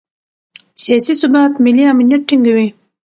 سیاسي ثبات ملي امنیت ټینګوي